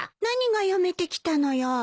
何が読めてきたのよ？